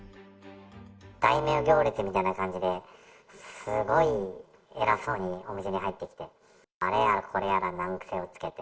大名行列みたいな感じで、すごい偉そうにお店に入ってきて、あれやらこれやら難癖をつけて。